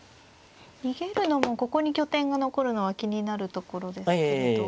逃げるのもここに拠点が残るのは気になるところですけれど。